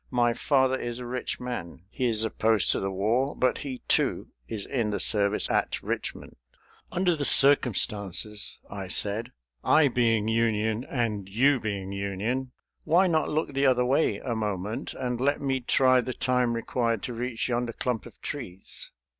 My father is a rich man; he is opposed to the war, but he, too, is in the service at Richmond." "Under the circumstances," I said, "I being Union, and you being Union, why not look the other way a moment and let me try the time required to reach yonder clump of trees."